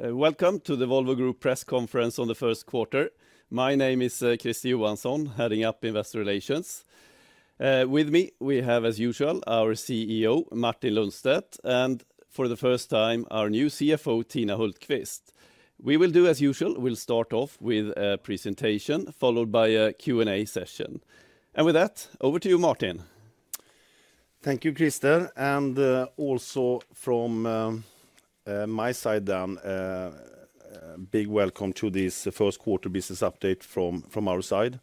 Welcome to the Volvo Group press conference on the first quarter. My name is Christer Johansson, heading up Investor Relations. With me we have, as usual, our CEO, Martin Lundstedt, and for the first time, our new CFO, Tina Hultkvist. We will do as usual. We'll start off with a presentation, followed by a Q&A session. With that, over to you, Martin. Thank you, Christer, and also from my side big welcome to this first quarter business update from our side.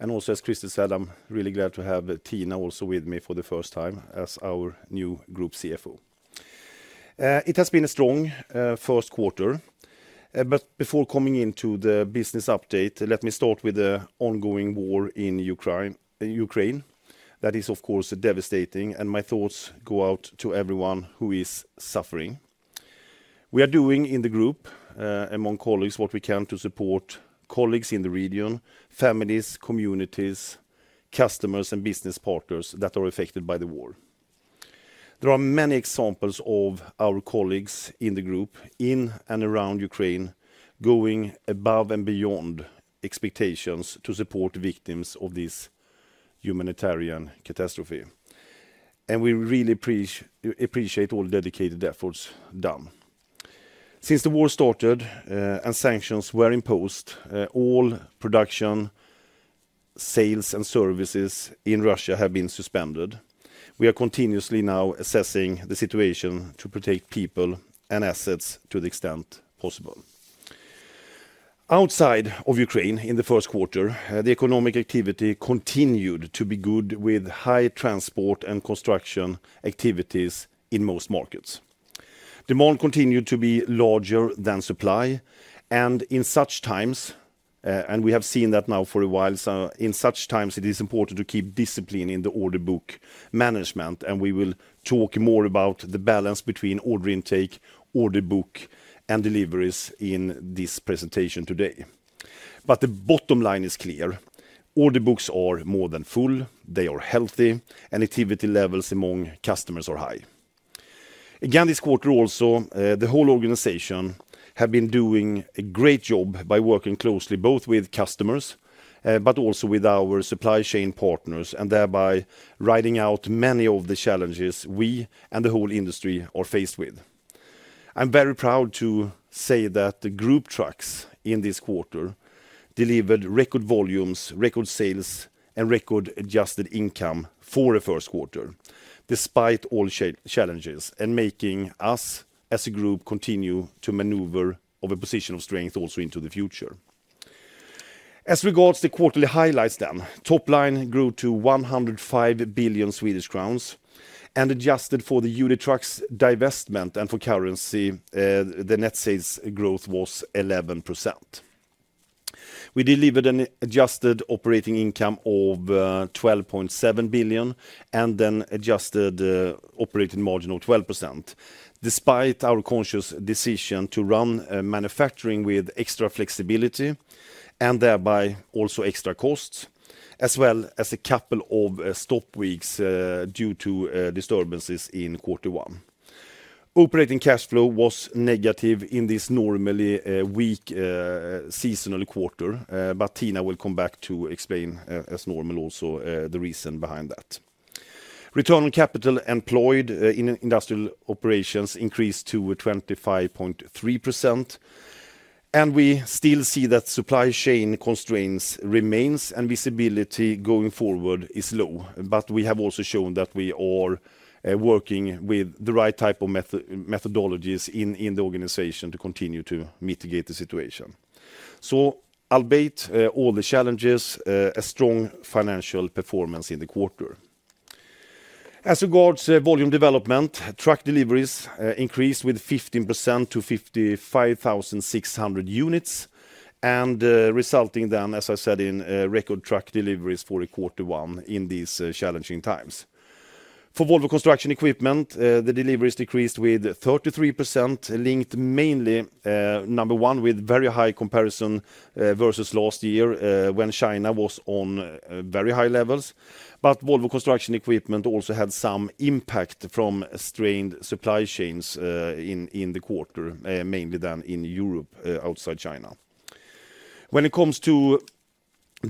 Also, as Christer said, I'm really glad to have Tina also with me for the first time as our new Group CFO. It has been a strong first quarter. Before coming into the business update, let me start with the ongoing war in Ukraine. That is, of course, devastating, and my thoughts go out to everyone who is suffering. We are doing, in the group, among colleagues, what we can to support colleagues in the region, families, communities, customers, and business partners that are affected by the war. There are many examples of our colleagues in the group, in and around Ukraine, going above and beyond expectations to support victims of this humanitarian catastrophe. We really appreciate all dedicated efforts done. Since the war started, and sanctions were imposed, all production, sales, and services in Russia have been suspended. We are continuously now assessing the situation to protect people and assets to the extent possible. Outside of Ukraine, in the first quarter, the economic activity continued to be good, with high transport and construction activities in most markets. Demand continued to be larger than supply, and in such times, and we have seen that now for a while, so in such times, it is important to keep discipline in the order book management, and we will talk more about the balance between order intake, order book, and deliveries in this presentation today. The bottom line is clear. Order books are more than full, they are healthy, and activity levels among customers are high. Again, this quarter also, the whole organization have been doing a great job by working closely, both with customers, but also with our supply chain partners, and thereby riding out many of the challenges we and the whole industry are faced with. I'm very proud to say that the Group Trucks in this quarter delivered record volumes, record sales, and record adjusted income for the first quarter, despite all challenges, and making us as a group continue to maneuver of a position of strength also into the future. As regards to quarterly highlights then, top line grew to 105 billion Swedish crowns, and adjusted for the UD Trucks' divestment and for currency, the net sales growth was 11%. We delivered an adjusted operating income of 12.7 billion, and an adjusted operating margin of 12%, despite our conscious decision to run manufacturing with extra flexibility, and thereby also extra costs, as well as a couple of stop weeks due to disturbances in quarter one. Operating cash flow was negative in this normally weak seasonal quarter, but Tina will come back to explain, as normal also, the reason behind that. Return on capital employed in industrial operations increased to 25.3%, and we still see that supply chain constraints remains, and visibility going forward is low. We have also shown that we are working with the right type of methodologies in the organization to continue to mitigate the situation. Albeit all the challenges, a strong financial performance in the quarter. As regards volume development, truck deliveries increased 15% to 55,600 units, resulting then, as I said, in record truck deliveries for quarter one in these challenging times. For Volvo Construction Equipment, the deliveries decreased 33%, linked mainly number one, with very high comparison versus last year, when China was on very high levels. Volvo Construction Equipment also had some impact from strained supply chains in the quarter, mainly then in Europe outside China. When it comes to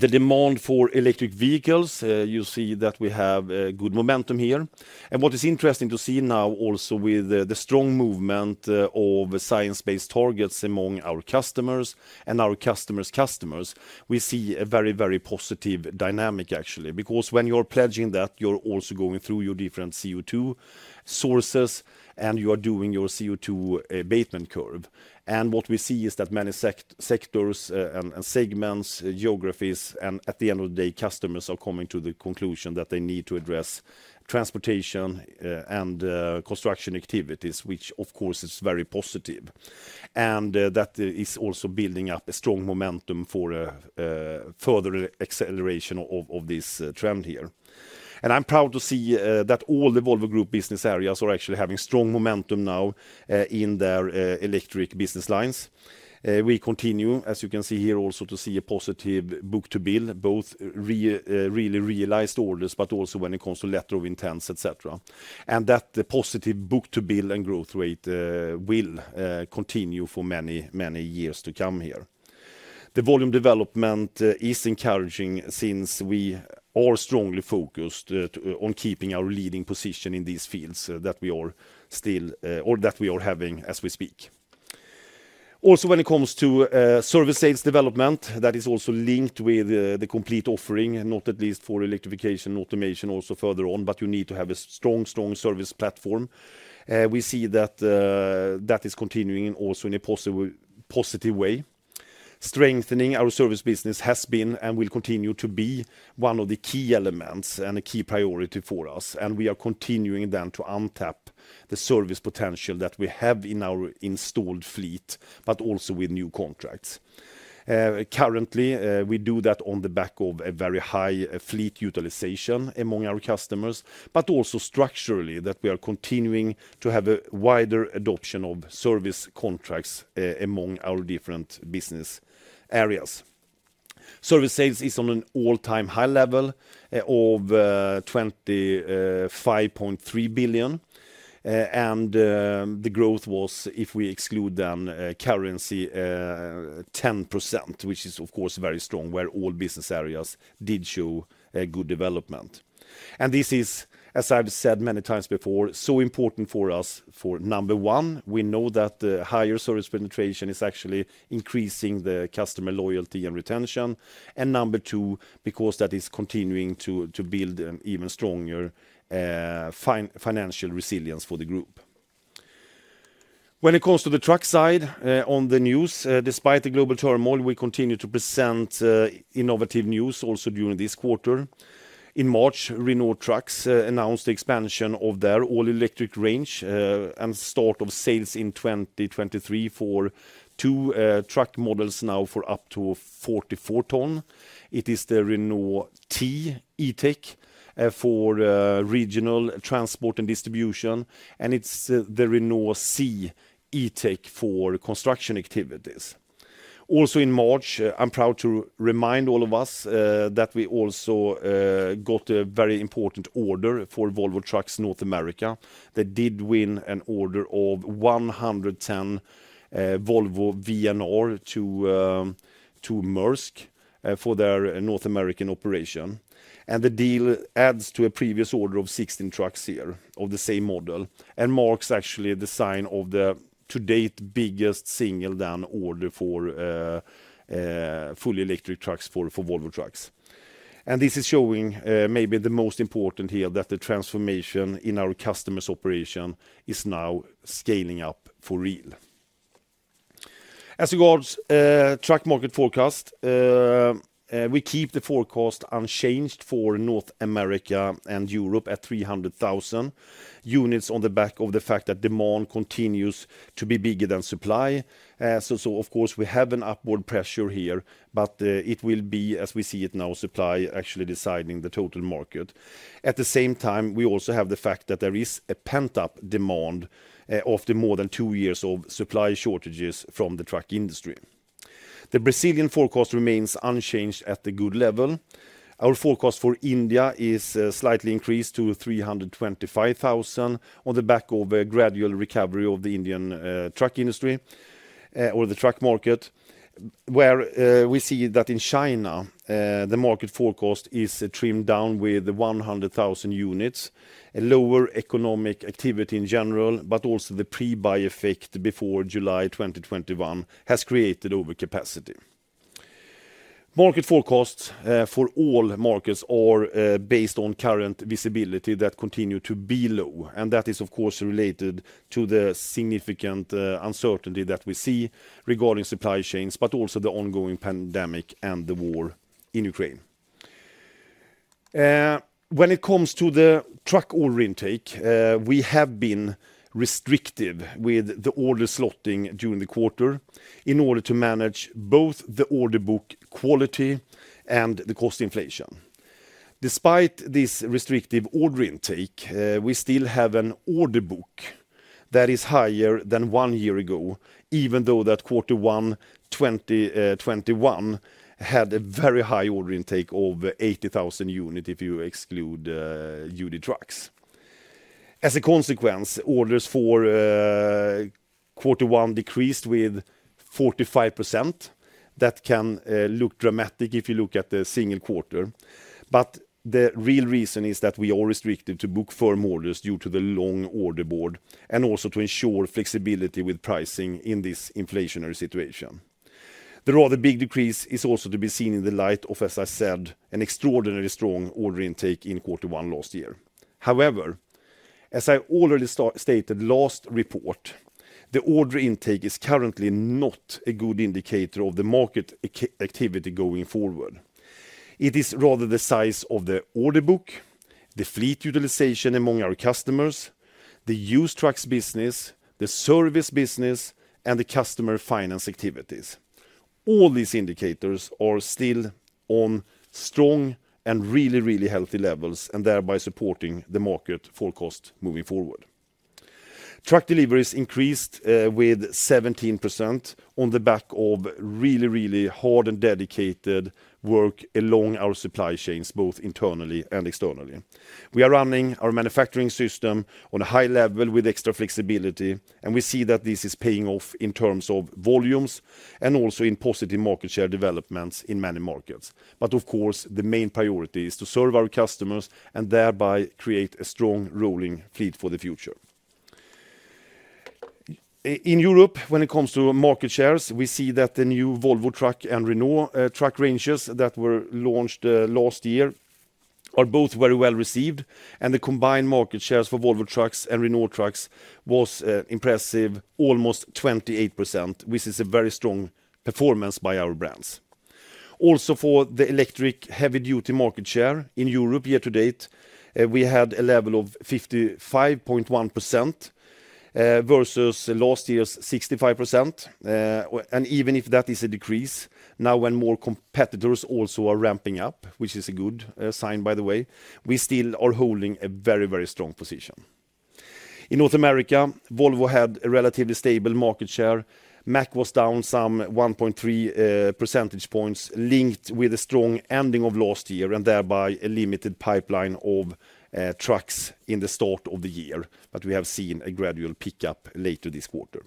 the demand for electric vehicles, you see that we have good momentum here. What is interesting to see now also with the strong movement of science-based targets among our customers and our customers' customers, we see a very, very positive dynamic actually. Because when you're pledging that, you're also going through your different CO2 sources, and you are doing your CO2 abatement curve. What we see is that many sectors and segments, geographies, and at the end of the day, customers are coming to the conclusion that they need to address transportation and construction activities, which of course is very positive. That is also building up a strong momentum for a further acceleration of this trend here. I'm proud to see that all the Volvo Group business areas are actually having strong momentum now in their electric business lines. We continue, as you can see here, also to see a positive book-to-bill, both really realized orders, but also when it comes to letter of intents, et cetera. That positive book-to-bill and growth rate will continue for many years to come here. The volume development is encouraging since we are strongly focused on keeping our leading position in these fields that we are having as we speak. Also, when it comes to service sales development, that is also linked with the complete offering, and not least for electrification automation also further on, but you need to have a strong service platform. We see that that is continuing also in a positive way. Strengthening our service business has been, and will continue to be, one of the key elements and a key priority for us, and we are continuing then to untap the service potential that we have in our installed fleet, but also with new contracts. Currently, we do that on the back of a very high fleet utilization among our customers, but also structurally that we are continuing to have a wider adoption of service contracts among our different business areas. Service sales is on an all-time high level of 25.3 billion. The growth was, if we exclude currency, 10%, which is of course very strong where all business areas did show a good development. This is, as I've said many times before, so important for us for, number one, we know that the higher service penetration is actually increasing the customer loyalty and retention. Number two, because that is continuing to build an even stronger financial resilience for the group. When it comes to the truck side, on the news, despite the global turmoil, we continue to present innovative news also during this quarter. In March, Renault Trucks announced the expansion of their all-electric range and start of sales in 2023 for 2 truck models now for up to 44-ton. It is the Renault Trucks T E-Tech for regional transport and distribution, and it's the Renault Trucks C E-Tech for construction activities. Also in March, I'm proud to remind all of us that we also got a very important order for Volvo Trucks North America. They did win an order of 110 Volvo VNR Electric to Maersk for their North American operation. The deal adds to a previous order of 16 trucks here of the same model and marks actually the sign of the to-date biggest single order for fully electric trucks for Volvo Trucks. This is showing maybe the most important here that the transformation in our customers' operation is now scaling up for real. As regards truck market forecast, we keep the forecast unchanged for North America and Europe at 300,000 units on the back of the fact that demand continues to be bigger than supply. Of course, we have an upward pressure here, but it will be, as we see it now, supply actually deciding the total market. At the same time, we also have the fact that there is a pent-up demand after more than two years of supply shortages from the truck industry. The Brazilian forecast remains unchanged at a good level. Our forecast for India is slightly increased to 325,000 on the back of a gradual recovery of the Indian truck industry or the truck market. Where we see that in China the market forecast is trimmed down with 100,000 units, a lower economic activity in general, but also the pre-buy effect before July 2021 has created overcapacity. Market forecasts for all markets are based on current visibility that continues to be low, and that is of course related to the significant uncertainty that we see regarding supply chains, but also the ongoing pandemic and the war in Ukraine. When it comes to the truck order intake, we have been restrictive with the order slotting during the quarter in order to manage both the order book quality and the cost inflation. Despite this restrictive order intake, we still have an order book that is higher than one year ago, even though that quarter one 2021 had a very high order intake of 80,000 units if you exclude UD Trucks. As a consequence, orders for quarter one decreased with 45%. That can look dramatic if you look at the single quarter. The real reason is that we are restricted to book firm orders due to the long order board, and also to ensure flexibility with pricing in this inflationary situation. The rather big decrease is also to be seen in the light of, as I said, an extraordinarily strong order intake in quarter one last year. However, as I already stated last report, the order intake is currently not a good indicator of the market activity going forward. It is rather the size of the order book, the fleet utilization among our customers, the used trucks business, the service business, and the customer finance activities. All these indicators are still on strong and really, really healthy levels, and thereby supporting the market forecast moving forward. Truck deliveries increased with 17% on the back of really, really hard and dedicated work along our supply chains, both internally and externally. We are running our manufacturing system on a high level with extra flexibility, and we see that this is paying off in terms of volumes and also in positive market share developments in many markets. Of course, the main priority is to serve our customers and thereby create a strong rolling fleet for the future. In Europe, when it comes to market shares, we see that the new Volvo Trucks and Renault Trucks ranges that were launched last year are both very well received, and the combined market shares for Volvo Trucks and Renault Trucks was impressive, almost 28%, which is a very strong performance by our brands. Also for the electric heavy-duty market share in Europe year to date, we had a level of 55.1%, versus last year's 65%. Even if that is a decrease, now when more competitors also are ramping up, which is a good sign, by the way, we still are holding a very, very strong position. In North America, Volvo had a relatively stable market share. Mack was down some 1.3 percentage points linked with a strong ending of last year and thereby a limited pipeline of trucks in the start of the year. We have seen a gradual pickup later this quarter.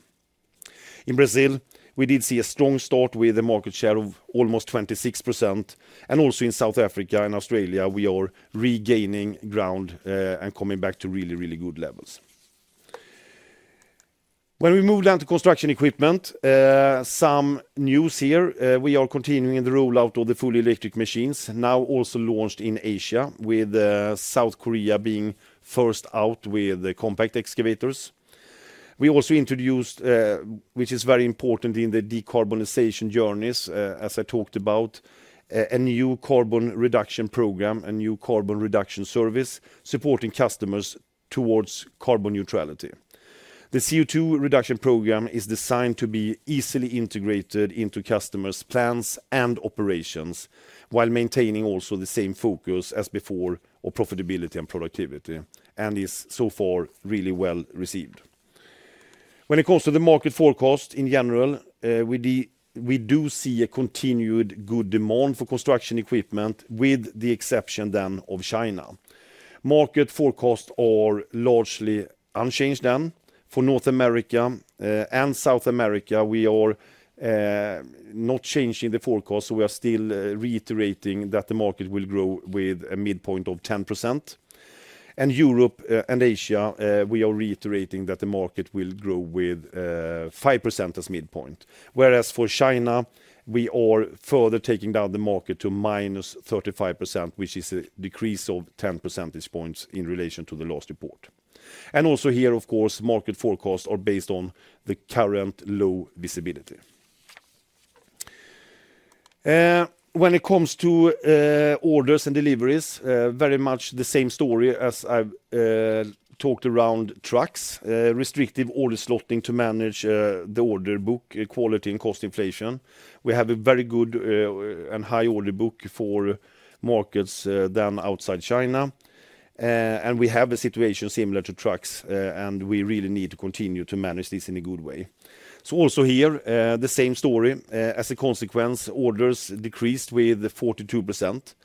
In Brazil, we did see a strong start with a market share of almost 26%. Also in South Africa and Australia, we are regaining ground and coming back to really, really good levels. When we move down to construction equipment, some news here. We are continuing the rollout of the fully electric machines, now also launched in Asia, with South Korea being first out with the compact excavators. We also introduced, which is very important in the decarbonization journeys, as I talked about, a new carbon reduction program, a new carbon reduction service, supporting customers towards carbon neutrality. The CO2 reduction program is designed to be easily integrated into customers' plans and operations while maintaining also the same focus as before of profitability and productivity, and is so far really well received. When it comes to the market forecast in general, we do see a continued good demand for construction equipment, with the exception then of China. Market forecasts are largely unchanged then. For North America and South America, we are not changing the forecast, so we are still reiterating that the market will grow with a midpoint of 10%. Europe and Asia, we are reiterating that the market will grow with 5% as midpoint. Whereas for China, we are further taking down the market to -35%, which is a decrease of 10 percentage points in relation to the last report. Also here, of course, market forecasts are based on the current low visibility. When it comes to orders and deliveries, very much the same story as I've talked around trucks, restrictive order slotting to manage the order book, quality and cost inflation. We have a very good and high order book for markets outside China. We have a situation similar to trucks, and we really need to continue to manage this in a good way. Also here, the same story. As a consequence, orders decreased with 42%,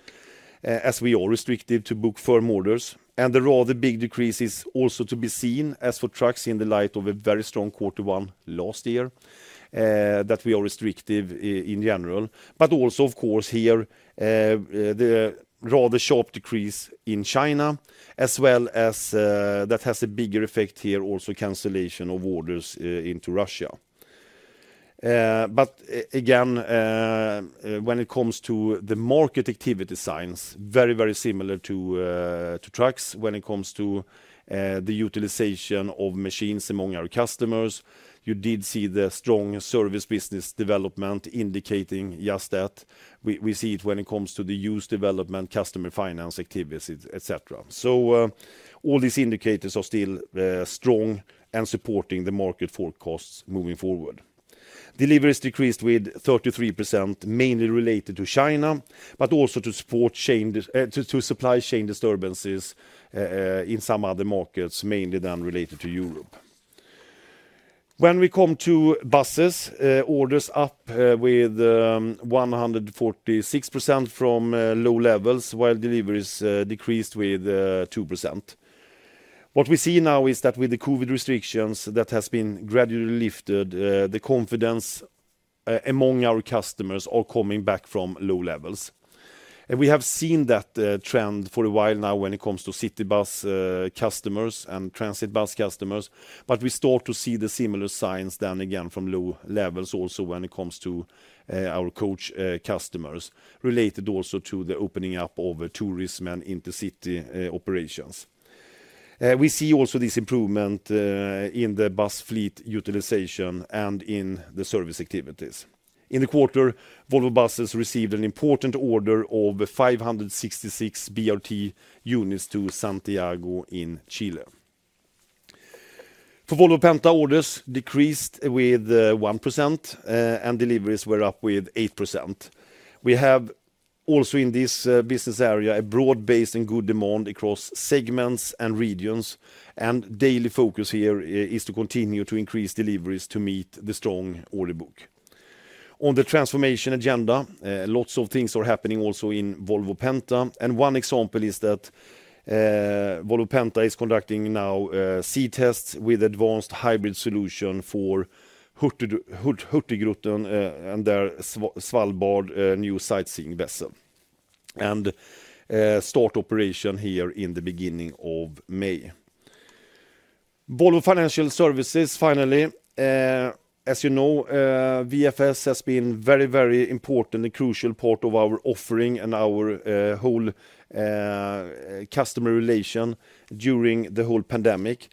as we are restrictive to book firm orders. The rather big decrease is also to be seen as for trucks in the light of a very strong quarter one last year, that we are restrictive in general. Also, of course, here, the rather sharp decrease in China, as well as that has a bigger effect here, also cancellation of orders into Russia. Again, when it comes to the market activity signs, very similar to trucks when it comes to the utilization of machines among our customers. You did see the strong service business development indicating just that. We see it when it comes to the used development, customer finance activities, et cetera. All these indicators are still strong and supporting the market forecasts moving forward. Deliveries decreased with 33%, mainly related to China, but also to supply chain disturbances in some other markets, mainly then related to Europe. When we come to buses, orders up with 146% from low levels, while deliveries decreased with 2%. What we see now is that with the COVID restrictions that has been gradually lifted, the confidence among our customers are coming back from low levels. We have seen that trend for a while now when it comes to city bus customers and transit bus customers. We start to see the similar signs then again from low levels also when it comes to our coach customers, related also to the opening up of tourism and intercity operations. We see also this improvement in the bus fleet utilization and in the service activities. In the quarter, Volvo Buses received an important order of 566 BRT units to Santiago in Chile. For Volvo Penta, orders decreased with 1%, and deliveries were up with 8%. We have also in this business area a broad base and good demand across segments and regions, and daily focus here is to continue to increase deliveries to meet the strong order book. On the transformation agenda, lots of things are happening also in Volvo Penta. One example is that Volvo Penta is conducting now sea tests with advanced hybrid solution for Hurtigruten Svalbard new sightseeing vessel, and start operation here in the beginning of May. Volvo Financial Services, finally. As you know, VFS has been very important and crucial part of our offering and our whole customer relation during the whole pandemic.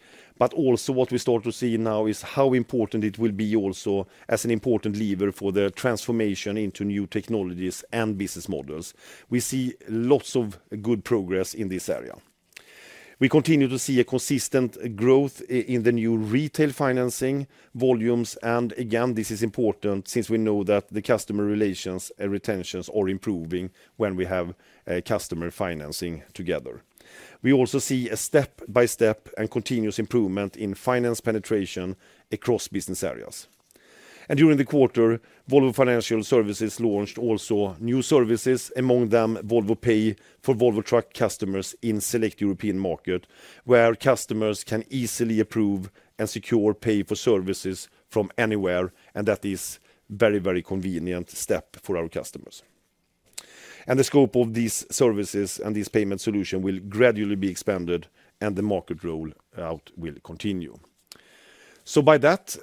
Also what we start to see now is how important it will be also as an important lever for the transformation into new technologies and business models. We see lots of good progress in this area. We continue to see a consistent growth in the new retail financing volumes. Again, this is important since we know that the customer relations, retentions are improving when we have customer financing together. We also see a step-by-step and continuous improvement in finance penetration across business areas. During the quarter, Volvo Financial Services launched also new services, among them Volvo Pay for Volvo truck customers in select European market, where customers can easily approve and secure pay for services from anywhere, and that is very, very convenient step for our customers. The scope of these services and this payment solution will gradually be expanded and the market rollout will continue. By that,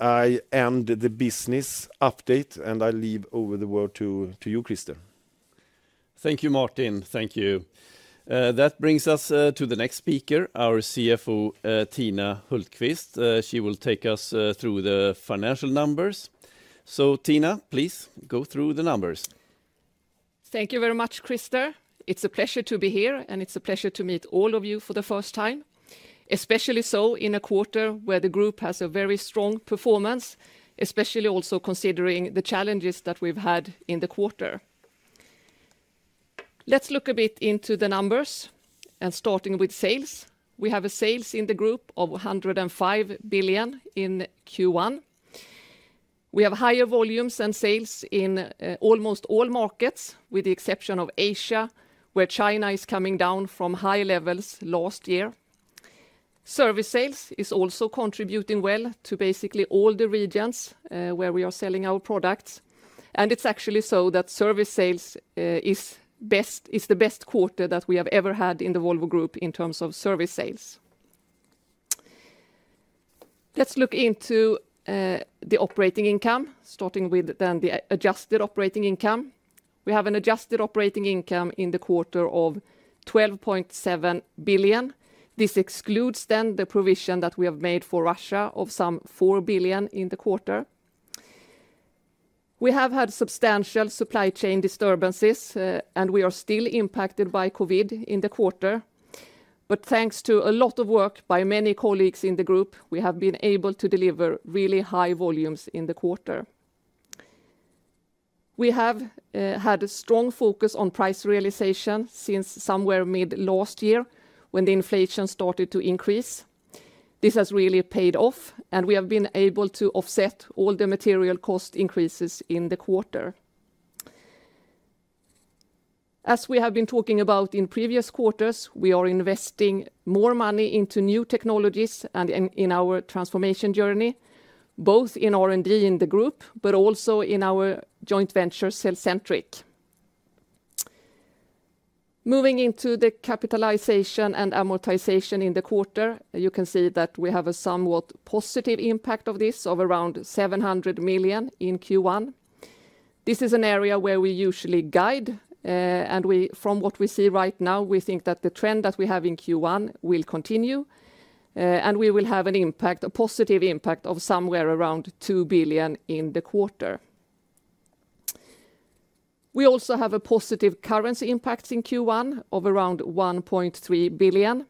I end the business update, and I hand over the word to you, Christer. Thank you, Martin. Thank you. That brings us to the next speaker, our CFO, Tina Hultkvist. She will take us through the financial numbers. Tina, please go through the numbers. Thank you very much, Christer. It's a pleasure to be here, and it's a pleasure to meet all of you for the first time, especially so in a quarter where the group has a very strong performance, especially also considering the challenges that we've had in the quarter. Let's look a bit into the numbers, and starting with sales. We have sales in the group of 105 billion in Q1. We have higher volumes and sales in almost all markets, with the exception of Asia, where China is coming down from high levels last year. Service sales is also contributing well to basically all the regions where we are selling our products. It's actually so that service sales is the best quarter that we have ever had in the Volvo Group in terms of service sales. Let's look into the operating income, starting with the adjusted operating income. We have an adjusted operating income in the quarter of 12.7 billion. This excludes the provision that we have made for Russia of some 4 billion in the quarter. We have had substantial supply chain disturbances, and we are still impacted by COVID in the quarter. Thanks to a lot of work by many colleagues in the group, we have been able to deliver really high volumes in the quarter. We have had a strong focus on price realization since somewhere mid last year when the inflation started to increase. This has really paid off, and we have been able to offset all the material cost increases in the quarter. As we have been talking about in previous quarters, we are investing more money into new technologies and in our transformation journey, both in R&D in the group, but also in our joint venture, cellcentric. Moving into the capitalization and amortization in the quarter, you can see that we have a somewhat positive impact of this of around 700 million in Q1. This is an area where we usually guide, and we, from what we see right now, we think that the trend that we have in Q1 will continue, and we will have an impact, a positive impact of somewhere around 2 billion in the quarter. We also have a positive currency impact in Q1 of around 1.3 billion.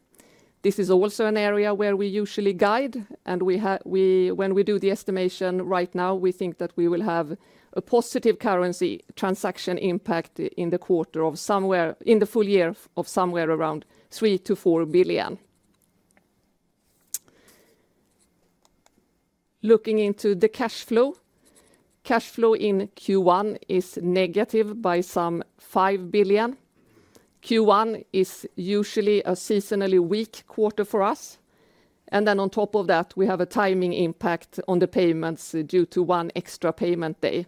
This is also an area where we usually guide, and when we do the estimation right now, we think that we will have a positive currency transaction impact in the quarter of somewhere, in the full year of somewhere around 3 billion-4 billion. Looking into the cash flow. Cash flow in Q1 is negative by some 5 billion. Q1 is usually a seasonally weak quarter for us. On top of that, we have a timing impact on the payments due to one extra payment day.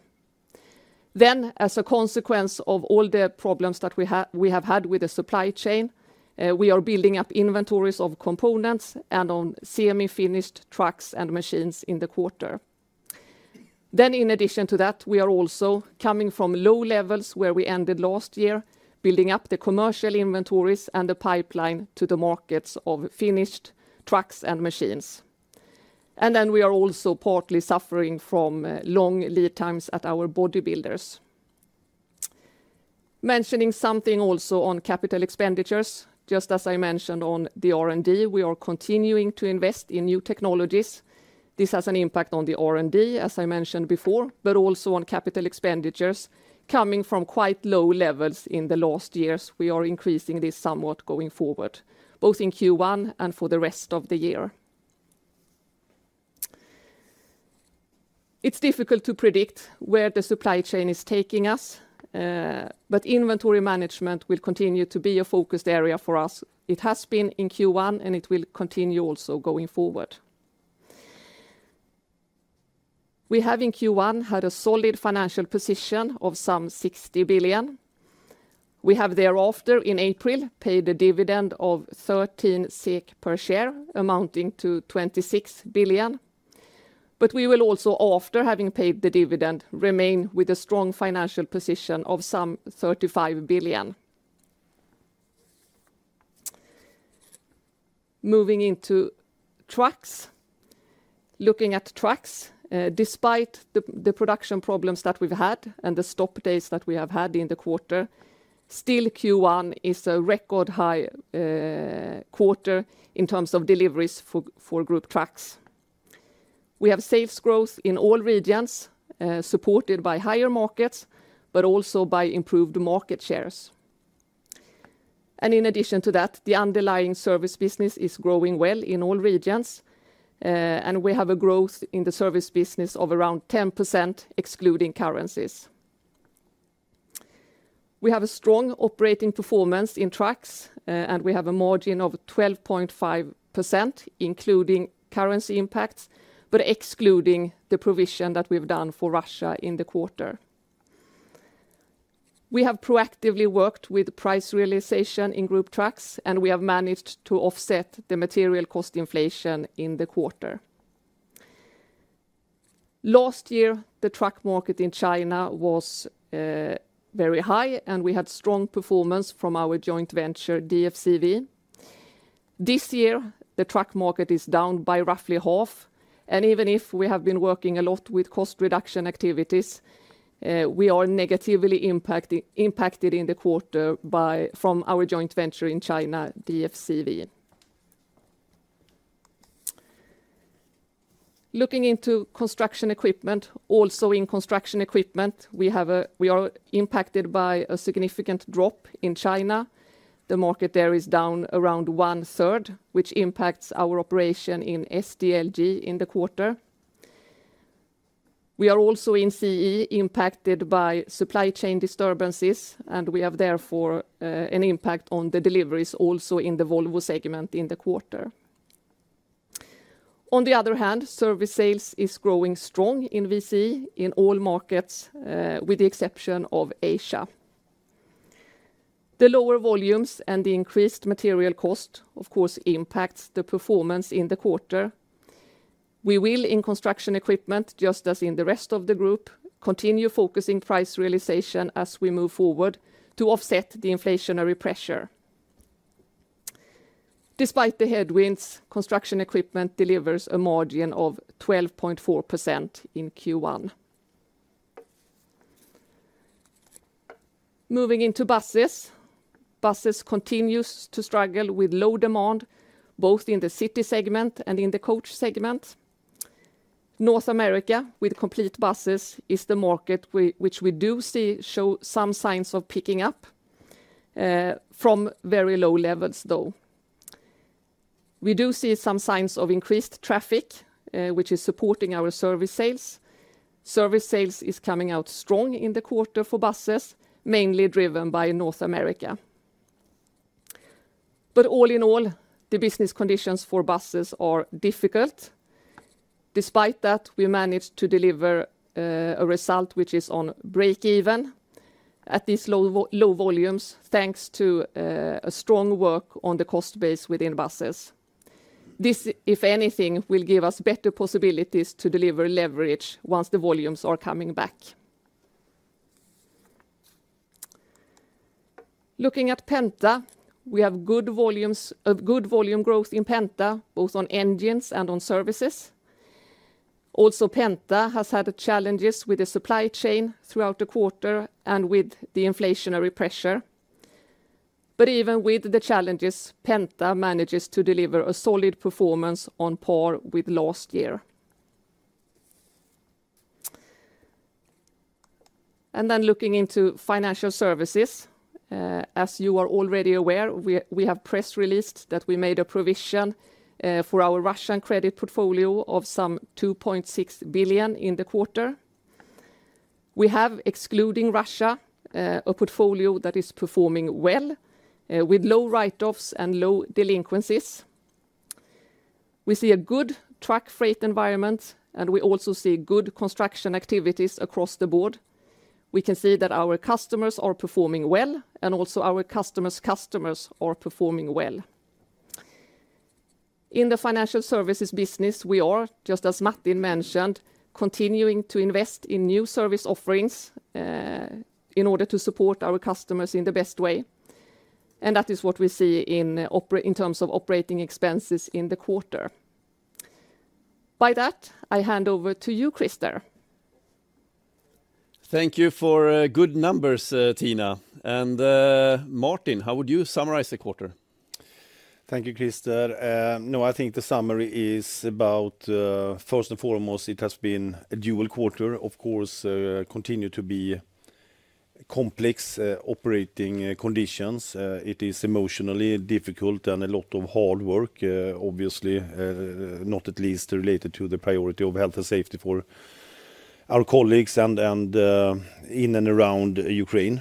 As a consequence of all the problems that we have had with the supply chain, we are building up inventories of components and on semi-finished trucks and machines in the quarter. In addition to that, we are also coming from low levels where we ended last year, building up the commercial inventories and the pipeline to the markets of finished trucks and machines. We are also partly suffering from long lead times at our body builders. Mentioning something also on capital expenditures. Just as I mentioned on the R&D, we are continuing to invest in new technologies. This has an impact on the R&D, as I mentioned before, but also on capital expenditures coming from quite low levels in the last years. We are increasing this somewhat going forward, both in Q1 and for the rest of the year. It's difficult to predict where the supply chain is taking us, but inventory management will continue to be a focused area for us. It has been in Q1, and it will continue also going forward. We have in Q1 had a solid financial position of some 60 billion. We have thereafter in April paid a dividend of 13 SEK per share, amounting to 26 billion. We will also, after having paid the dividend, remain with a strong financial position of some 35 billion. Moving into trucks. Looking at trucks, despite the production problems that we've had and the stop days that we have had in the quarter, still Q1 is a record high quarter in terms of deliveries for Group Trucks. We have sales growth in all regions, supported by higher markets, but also by improved market shares. In addition to that, the underlying service business is growing well in all regions. We have a growth in the service business of around 10% excluding currencies. We have a strong operating performance in trucks, and we have a margin of 12.5%, including currency impacts, but excluding the provision that we've done for Russia in the quarter. We have proactively worked with price realization in Group Trucks, and we have managed to offset the material cost inflation in the quarter. Last year, the truck market in China was very high, and we had strong performance from our joint venture, DFCV. This year, the truck market is down by roughly half, and even if we have been working a lot with cost reduction activities, we are negatively impacted in the quarter from our joint venture in China, DFCV. Looking into construction equipment, also in construction equipment, we are impacted by a significant drop in China. The market there is down around 1/3, which impacts our operation in SDLG in the quarter. We are also in CE impacted by supply chain disturbances, and we have therefore an impact on the deliveries also in the Volvo segment in the quarter. On the other hand, service sales is growing strong in VCE in all markets with the exception of Asia. The lower volumes and the increased material cost, of course, impacts the performance in the quarter. We will, in construction equipment, just as in the rest of the group, continue focusing price realization as we move forward to offset the inflationary pressure. Despite the headwinds, construction equipment delivers a margin of 12.4% in Q1. Moving into buses. Buses continues to struggle with low demand, both in the city segment and in the coach segment. North America, with complete buses, is the market we do see some signs of picking up from very low levels, though. We do see some signs of increased traffic, which is supporting our service sales. Service sales is coming out strong in the quarter for buses, mainly driven by North America. All in all, the business conditions for buses are difficult. Despite that, we managed to deliver a result which is on break even at these low volumes, thanks to a strong work on the cost base within buses. This, if anything, will give us better possibilities to deliver leverage once the volumes are coming back. Looking at Penta, we have good volume growth in Penta, both on engines and on services. Also, Penta has had challenges with the supply chain throughout the quarter and with the inflationary pressure. Even with the challenges, Penta manages to deliver a solid performance on par with last year. Looking into financial services. As you are already aware, we have press released that we made a provision for our Russian credit portfolio of some 2.6 billion in the quarter. We have, excluding Russia, a portfolio that is performing well with low write-offs and low delinquencies. We see a good truck freight environment, and we also see good construction activities across the board. We can see that our customers are performing well and also our customers' customers are performing well. In the financial services business, we are, just as Martin mentioned, continuing to invest in new service offerings, in order to support our customers in the best way, and that is what we see in terms of operating expenses in the quarter. By that, I hand over to you, Christer. Thank you for good numbers, Tina. Martin, how would you summarize the quarter? Thank you, Christer. I think the summary is about, first and foremost, it has been a tough quarter. Of course, continue to be complex operating conditions. It is emotionally difficult and a lot of hard work, obviously, not least related to the priority of health and safety for our colleagues and in and around Ukraine.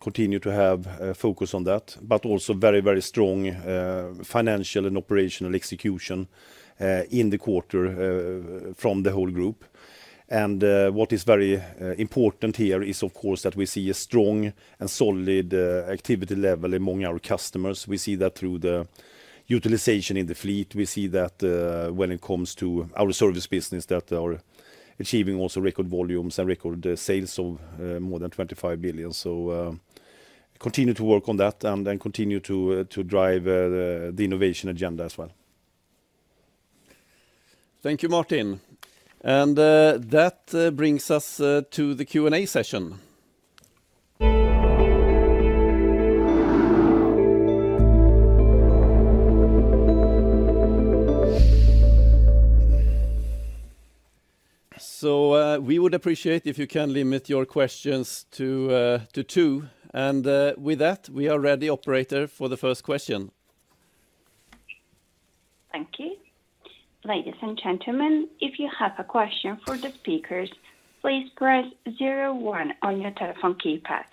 Continue to have focus on that, but also very, very strong financial and operational execution in the quarter from the whole group. What is very important here is, of course, that we see a strong and solid activity level among our customers. We see that through the utilization in the fleet. We see that, when it comes to our service business that are achieving also record volumes and record sales of more than 25 billion. Continue to work on that and then continue to drive the innovation agenda as well. Thank you, Martin. That brings us to the Q&A session. We would appreciate if you can limit your questions to two. With that, we are ready, operator, for the first question. Thank you. Ladies and gentlemen, if you have a question for the speakers, please press zero one on your telephone keypad.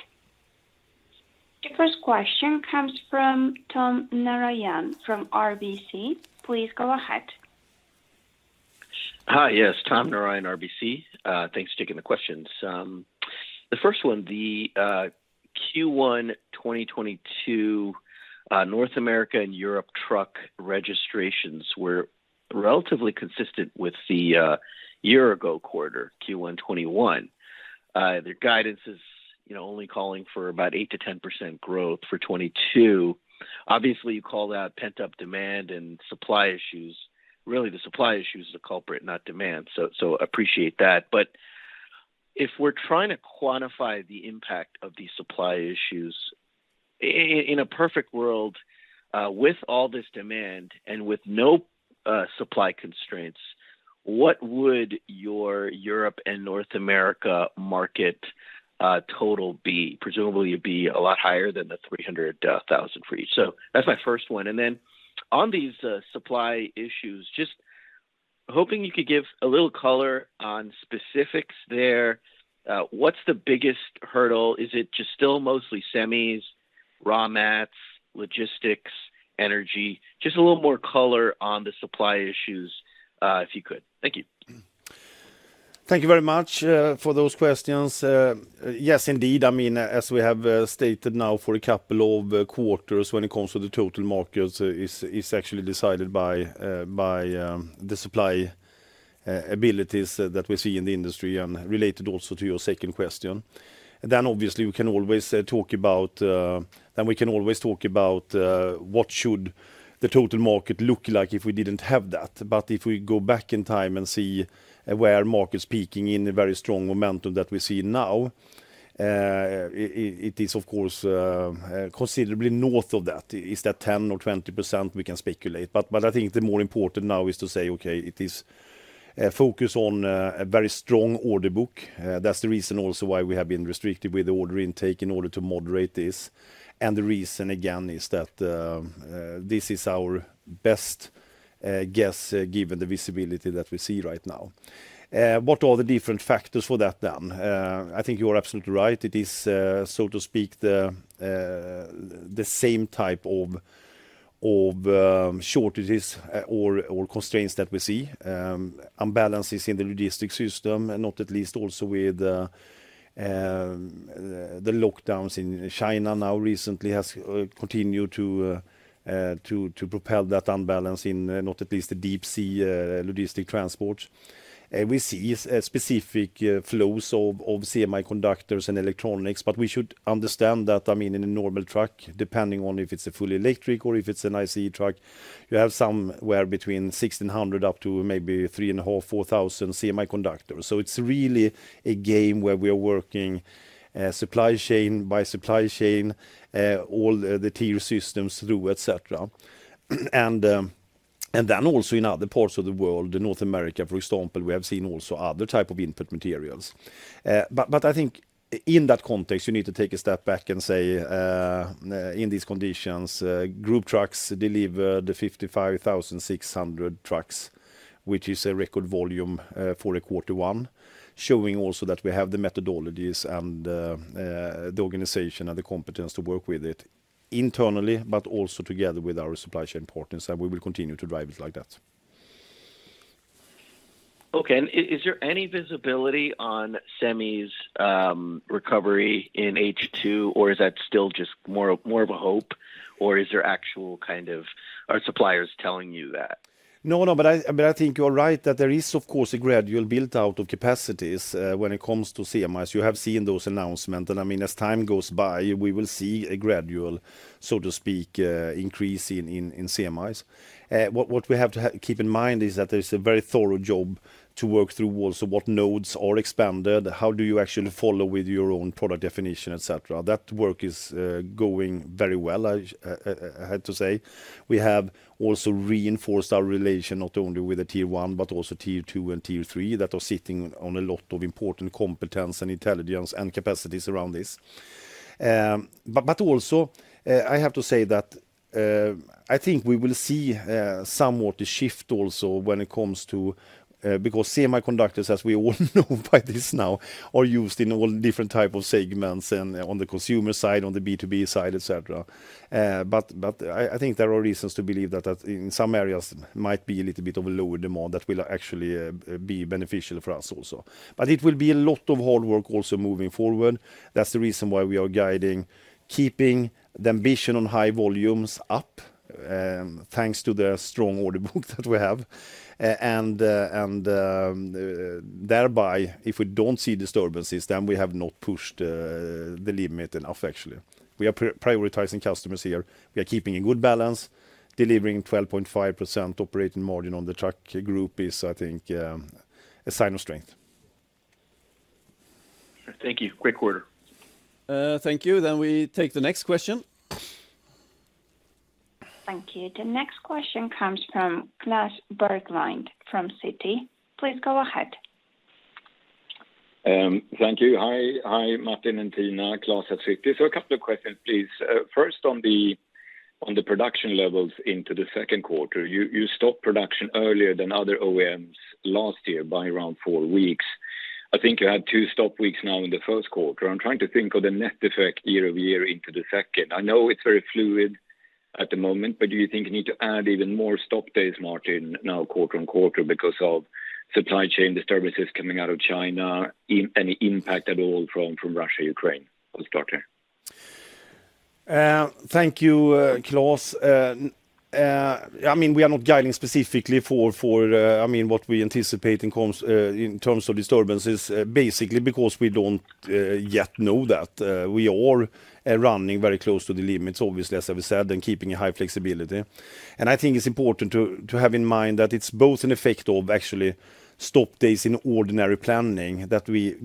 The first question comes from Tom Narayan from RBC. Please go ahead. Hi. Yes, Tom Narayan, RBC. Thanks for taking the questions. The first one, Q1 2022 North America and Europe truck registrations were relatively consistent with the year ago quarter, Q1 2021. The guidance is, you know, only calling for about 8%-10% growth for 2022. Obviously, you called out pent-up demand and supply issues. Really, the supply issue is the culprit, not demand. So appreciate that. But if we're trying to quantify the impact of these supply issues, in a perfect world, with all this demand and with no supply constraints, what would your Europe and North America market total be? Presumably, it'd be a lot higher than the 300,000 for each. So that's my first one. On these supply issues, just hoping you could give a little color on specifics there. What's the biggest hurdle? Is it just still mostly semis, raw mats, logistics, energy? Just a little more color on the supply issues, if you could. Thank you. Thank you very much for those questions. Yes, indeed. I mean, as we have stated now for a couple of quarters when it comes to the total markets, is actually decided by the supply availabilities that we see in the industry, and related also to your second question. Obviously we can always talk about what should the total market look like if we didn't have that. If we go back in time and see where markets peaking in a very strong momentum that we see now, it is of course considerably north of that. Is that 10% or 20%, we can speculate. I think the more important now is to say, okay, it is focus on a very strong order book. That's the reason also why we have been restrictive with the order intake in order to moderate this. The reason, again, is that this is our best guess given the visibility that we see right now. What are the different factors for that then? I think you are absolutely right. It is so to speak the same type of shortages or constraints that we see. Imbalances in the logistics system, and not least also with the lockdowns in China now recently has continued to propel that imbalance in not least the deep sea logistics transport. We see specific flows of semiconductors and electronics, but we should understand that, I mean, in a normal truck, depending on if it's a fully electric or if it's an ICE truck, you have somewhere between 1,600 up to maybe 3,500-4,000 semiconductors. It's really a game where we are working supply chain by supply chain all the tier systems through, et cetera. Also in other parts of the world, North America, for example, we have seen also other type of input materials. I think in that context, you need to take a step back and say, in these conditions, Group Trucks deliver the 55,600 trucks, which is a record volume for a quarter one, showing also that we have the methodologies and the organization and the competence to work with it internally, but also together with our supply chain partners, and we will continue to drive it like that. Okay. Is there any visibility on semis' recovery in H2, or is that still just more of a hope? Or are suppliers telling you that? I think you're right that there is, of course, a gradual build-out of capacities when it comes to CMIs. You have seen those announcement, and I mean, as time goes by, we will see a gradual, so to speak, increase in CMIs. What we have to keep in mind is that there's a very thorough job to work through also what nodes are expanded, how do you actually follow with your own product definition, et cetera. That work is going very well, I had to say. We have also reinforced our relation not only with the Tier 1, but also Tier 2 and Tier 3 that are sitting on a lot of important competence and intelligence and capacities around this. I have to say that I think we will see somewhat of a shift also when it comes to because semiconductors, as we all know by now, are used in all different types of segments and on the consumer side, on the B2B side, et cetera. I think there are reasons to believe that in some areas might be a little bit of a lower demand that will actually be beneficial for us also. It will be a lot of hard work also moving forward. That's the reason why we are guiding, keeping the ambition on high volumes up, thanks to the strong order book that we have. Thereby, if we don't see disturbances, then we have not pushed the limit enough, actually. We are prioritizing customers here. We are keeping a good balance, delivering 12.5% operating margin on the truck group is, I think, a sign of strength. Thank you. Great quarter. Thank you. We take the next question. Thank you. The next question comes from Klas Bergelind from Citi. Please go ahead. Thank you. Hi, Martin and Tina. Klas at Citi. A couple of questions, please. First on the production levels into the second quarter, you stopped production earlier than other OEMs last year by around 4 weeks. I think you had 2 stop weeks now in the first quarter. I'm trying to think of the net effect year-over-year into the second. I know it's very fluid at the moment, but do you think you need to add even more stop days, Martin, now quarter-on-quarter because of supply chain disturbances coming out of China? Any impact at all from Russia, Ukraine? I'll start here. Thank you, Klas. I mean, we are not guiding specifically for what we anticipate in terms of disturbances, basically because we don't yet know that. We are running very close to the limits, obviously, as I've said, and keeping a high flexibility. I think it's important to have in mind that it's both an effect of actually stop days in ordinary planning that we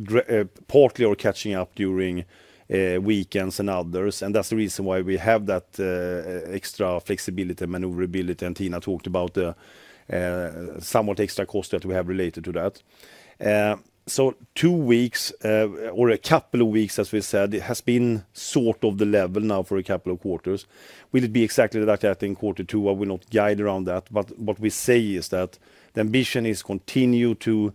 partly are catching up during weekends and others. That's the reason why we have that extra flexibility, maneuverability, and Tina talked about the somewhat extra cost that we have related to that. Two weeks or a couple of weeks, as we said, it has been sort of the level now for a couple of quarters. Will it be exactly like that in quarter two? I will not guide around that. What we say is that the ambition is continue to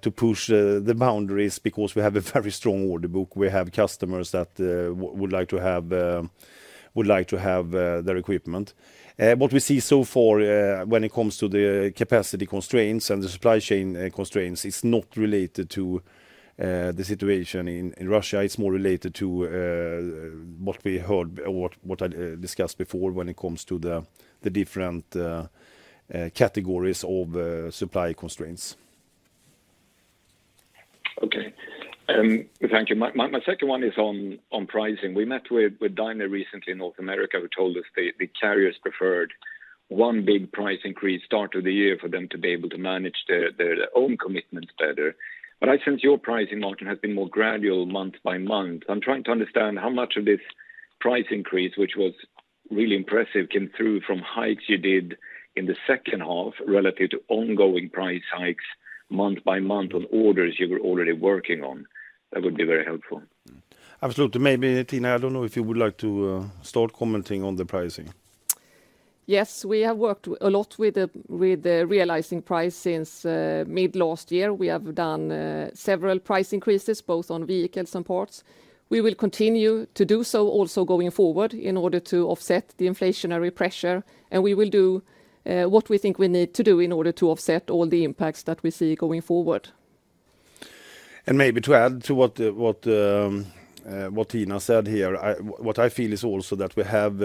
to push the boundaries because we have a very strong order book. We have customers that would like to have their equipment. What we see so far when it comes to the capacity constraints and the supply chain constraints, it's not related to the situation in Russia. It's more related to what we heard or what I discussed before when it comes to the different categories of supply constraints. Okay. Thank you. My second one is on pricing. We met with Daimler recently in North America, who told us the carriers preferred one big price increase start of the year for them to be able to manage their own commitments better. I sense your pricing margin has been more gradual month by month. I'm trying to understand how much of this price increase, which was really impressive, came through from hikes you did in the second half relative to ongoing price hikes month by month on orders you were already working on. That would be very helpful. Absolutely. Maybe, Tina, I don't know if you would like to start commenting on the pricing. Yes. We have worked a lot with the realized price since mid last year. We have done several price increases, both on vehicles and parts. We will continue to do so also going forward in order to offset the inflationary pressure, and we will do what we think we need to do in order to offset all the impacts that we see going forward. Maybe to add to what Tina said here, what I feel is also that we have,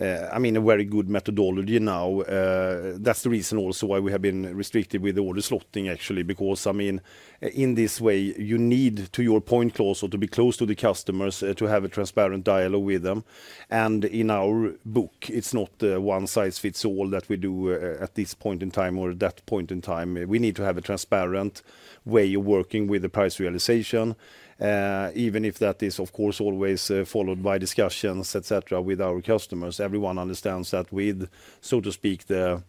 I mean, a very good methodology now. That's the reason also why we have been restricted with order slotting, actually, because, I mean, in this way, you need, to your point, Klas, to be close to the customers, to have a transparent dialogue with them. In our book, it's not one size fits all that we do, at this point in time or that point in time. We need to have a transparent way of working with the price realization, even if that is, of course, always, followed by discussions, et cetera, with our customers. Everyone understands that with, so to speak, the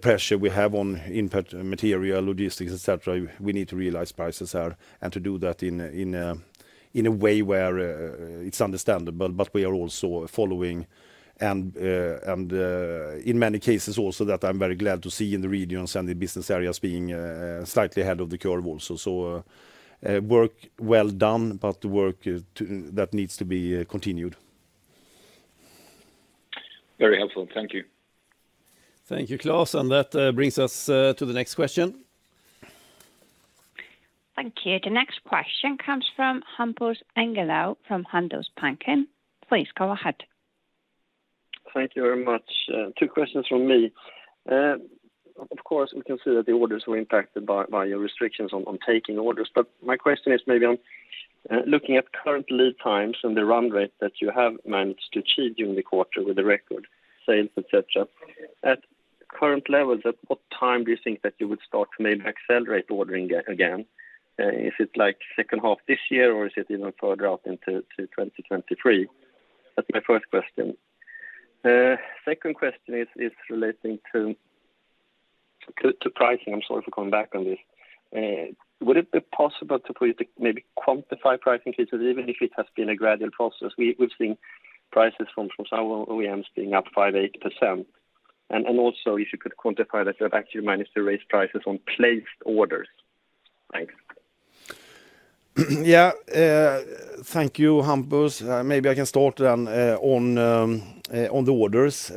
pressure we have on input material, logistics, et cetera, we need to realize prices are, and to do that in a way where it's understandable. But we are also following and in many cases also that I'm very glad to see in the regions and the business areas being slightly ahead of the curve also. Work well done, but work that needs to be continued. Very helpful. Thank you. Thank you, Klas. That brings us to the next question. Thank you. The next question comes from Hampus Engellau from Handelsbanken. Please go ahead. Thank you very much. Two questions from me. Of course, we can see that the orders were impacted by your restrictions on taking orders. My question is maybe on looking at current lead times and the run rate that you have managed to achieve during the quarter with the record sales, et cetera. At current levels, at what time do you think that you would start to maybe accelerate ordering again? If it's like second half this year, or is it even further out into 2023? That's my first question. Second question is relating to pricing. I'm sorry for coming back on this. Would it be possible to maybe quantify pricing because even if it has been a gradual process, we've seen prices from some OEMs being up 5%-8%. Also, if you could quantify that you have actually managed to raise prices on placed orders. Thanks. Yeah. Thank you, Hampus. Maybe I can start on the orders.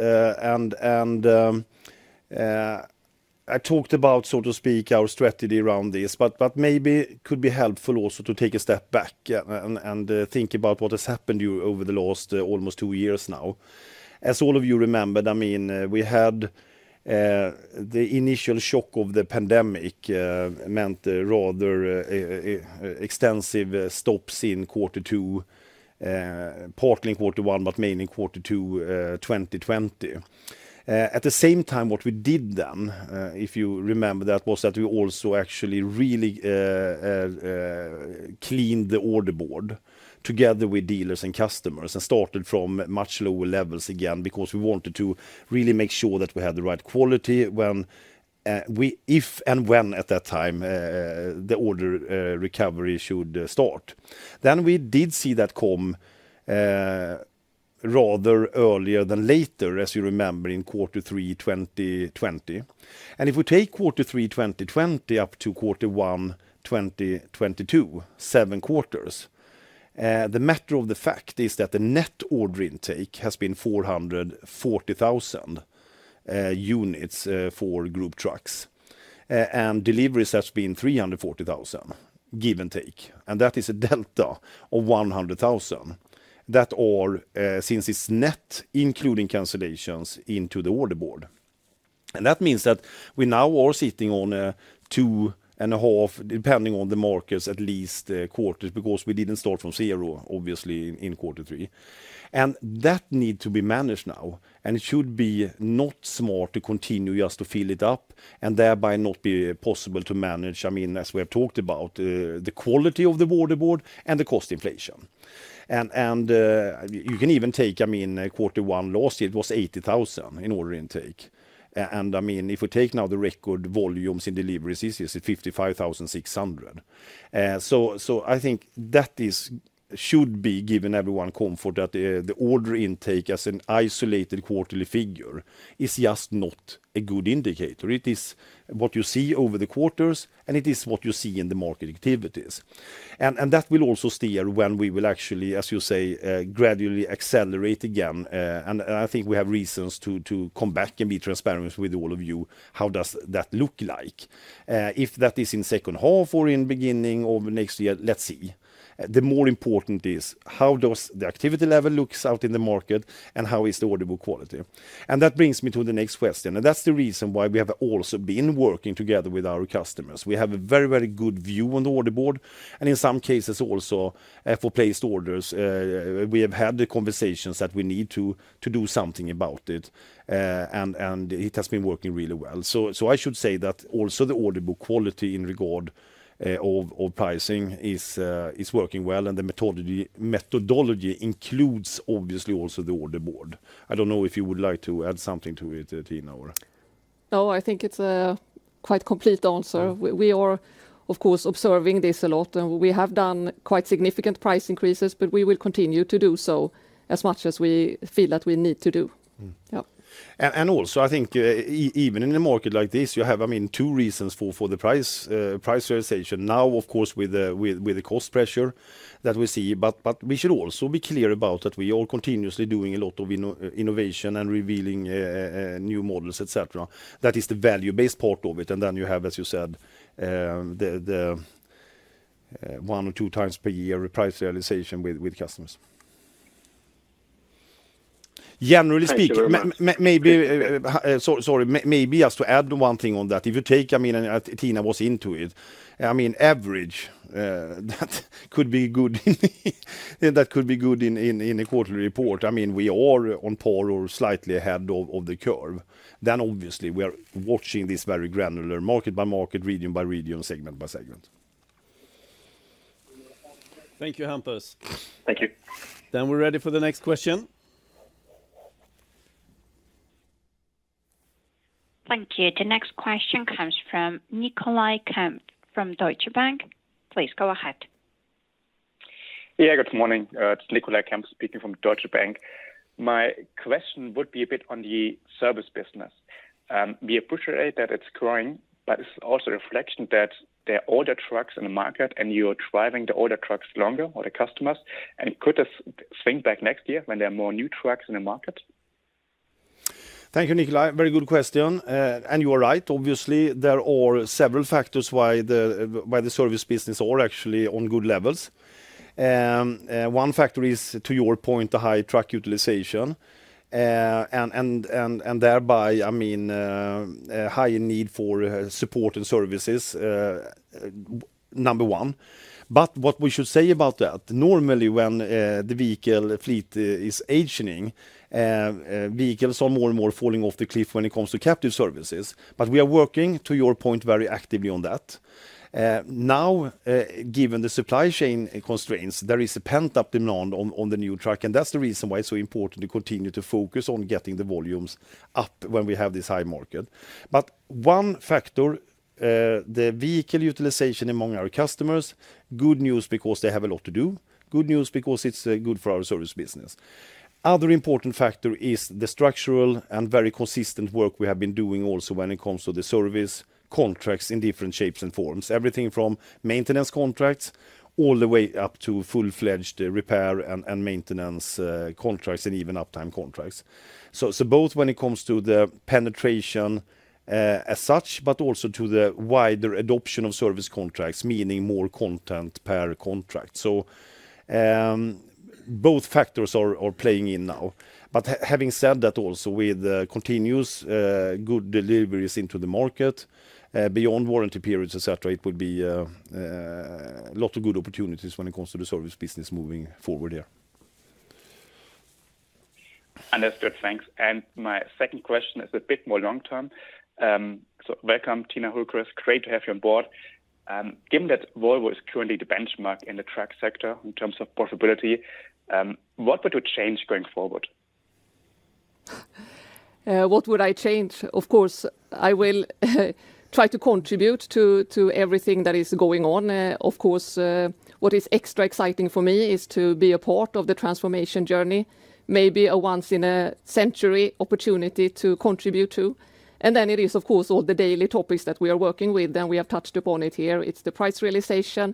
I talked about, so to speak, our strategy around this, but maybe could be helpful also to take a step back, yeah, and think about what has happened over the last almost two years now. As all of you remembered, I mean, we had the initial shock of the pandemic meant a rather extensive stops in quarter two, partly in quarter one, but mainly in quarter two, 2020. At the same time, what we did then, if you remember that, was that we also actually really cleaned the order board together with dealers and customers and started from much lower levels again, because we wanted to really make sure that we had the right quality when, if and when, at that time, the order recovery should start. We did see that come rather earlier than later, as you remember, in Q3 2020. If we take Q3 2020 up to Q1 2022, 7 quarters, the matter of the fact is that the net order intake has been 440,000 units for Group Trucks. Deliveries has been 340,000, give and take, and that is a delta of 100,000. That are, since it's net, including cancellations into the order board. That means that we now are sitting on 2.5, depending on the markets, at least, quarters, because we didn't start from zero, obviously, in quarter three. That needs to be managed now, and it should not be smart to continue just to fill it up and thereby not be possible to manage, I mean, as we have talked about, the quality of the order board and the cost inflation. You can even take, I mean, quarter one last year, it was 80,000 in order intake. And, I mean, if we take now the record volumes in deliveries, this is at 55,600. I think that should be giving everyone comfort that the order intake as an isolated quarterly figure is just not a good indicator. It is what you see over the quarters, and it is what you see in the market activities. That will also steer when we will actually, as you say, gradually accelerate again. I think we have reasons to come back and be transparent with all of you how does that look like. If that is in second half or in beginning of next year, let's see. The more important is how does the activity level looks out in the market and how is the order book quality. That brings me to the next question, and that's the reason why we have also been working together with our customers. We have a very, very good view on the order board, and in some cases also for placed orders, we have had the conversations that we need to do something about it. It has been working really well. I should say that also the order book quality in regard to pricing is working well, and the methodology includes obviously also the order board. I don't know if you would like to add something to it, Tina, or. No, I think it's a quite complete answer. We are of course observing this a lot, and we have done quite significant price increases, but we will continue to do so as much as we feel that we need to do. Mm. Yeah. Also, I think, even in a market like this, you have, I mean, two reasons for the price realization. Now, of course, with the cost pressure that we see, but we should also be clear about that we are continuously doing a lot of innovation and revealing new models, et cetera. That is the value-based part of it. Then you have, as you said, the one or two times per year price realization with customers. Generally speaking. Thank you very much. Maybe just to add one thing on that. If you take, I mean, Tina was into it. I mean, average that could be good in a quarterly report. I mean, we are on par or slightly ahead of the curve. Obviously, we are watching this very granular market by market, region by region, segment by segment. Thank you, Hampus. We're ready for the next question. Thank you. The next question comes from Nicolai Kempf from Deutsche Bank. Please go ahead. Yeah, good morning. It's Nicolai Kempf speaking from Deutsche Bank. My question would be a bit on the service business. We appreciate that it's growing, but it's also a reflection that there are older trucks in the market, and you're driving the older trucks longer, or the customers. Could this swing back next year when there are more new trucks in the market? Thank you, Nicolai. Very good question. You are right. Obviously, there are several factors why the service business are actually on good levels. One factor is, to your point, the high truck utilization, and thereby, I mean, a higher need for support and services, number one. What we should say about that, normally when the vehicle fleet is aging, vehicles are more and more falling off the cliff when it comes to captive services. We are working, to your point, very actively on that. Now, given the supply chain constraints, there is a pent-up demand on the new truck, and that's the reason why it's so important to continue to focus on getting the volumes up when we have this high market. One factor, the vehicle utilization among our customers, good news because they have a lot to do. Good news because it's good for our service business. Other important factor is the structural and very consistent work we have been doing also when it comes to the service contracts in different shapes and forms. Everything from maintenance contracts all the way up to full-fledged repair and maintenance contracts and even uptime contracts. Both when it comes to the penetration as such, but also to the wider adoption of service contracts, meaning more content per contract. Both factors are playing in now. Having said that also, with the continuous good deliveries into the market beyond warranty periods, et cetera, it would be a lot of good opportunities when it comes to the service business moving forward here. Understood. Thanks. My second question is a bit more long-term. Welcome, Tina Hultkvist. Great to have you on board. Given that Volvo is currently the benchmark in the truck sector in terms of profitability, what would you change going forward? What would I change? Of course, I will try to contribute to everything that is going on. Of course, what is extra exciting for me is to be a part of the transformation journey, maybe a once-in-a-century opportunity to contribute to. Then it is, of course, all the daily topics that we are working with, and we have touched upon it here. It's the price realization.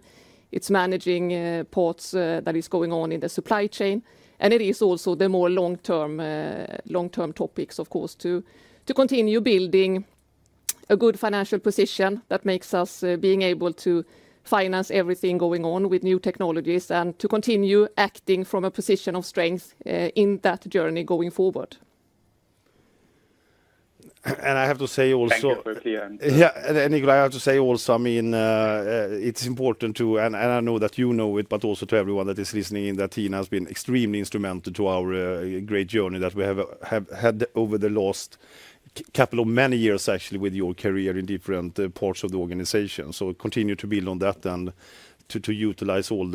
It's managing ports that is going on in the supply chain. It is also the more long-term topics, of course, to continue building a good financial position that makes us being able to finance everything going on with new technologies and to continue acting from a position of strength in that journey going forward. I have to say also. Thank you, Tina. Nicolai, I have to say also, I mean, it's important, and I know that you know it, but also to everyone that is listening in, that Tina has been extremely instrumental to our great journey that we have had over the last couple of many years, actually, with your career in different parts of the organization. Continue to build on that and to utilize all